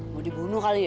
mau dibunuh kali ya